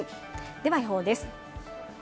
では予報です。